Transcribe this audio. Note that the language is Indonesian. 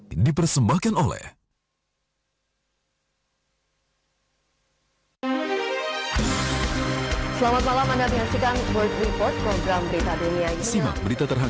ini karena biasa saja nanti kalau sudah sering saya yakin